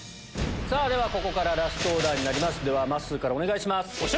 ここからラストオーダーになりますまっすーからお願いします。